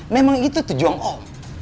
memang itu tujuanku om